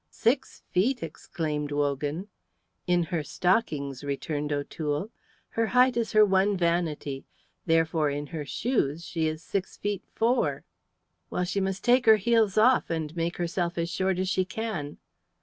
"Six feet!" exclaimed Wogan. "In her stockings," returned O'Toole. "Her height is her one vanity. Therefore in her shoes she is six feet four." "Well, she must take her heels off and make herself as short as she can."